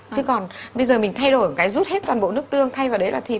chứ còn bây giờ mình thay đổi một cái rút hết toàn bộ nước tương thay vào đấy là thịt